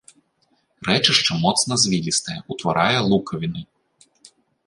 Рэчышча моцна звілістае, утварае лукавіны.